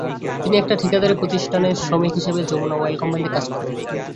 তিনি একটি ঠিকাদারি প্রতিষ্ঠানের শ্রমিক হিসেবে যমুনা অয়েল কোম্পানিতে কাজ করতেন।